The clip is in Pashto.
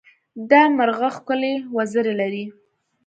دا مرغه ښکلې وزرې لري.